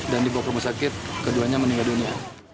dan dibawa ke rumah sakit keduanya meninggal dunia